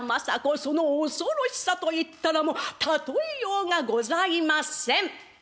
その恐ろしさと言ったらもう例えようがございません。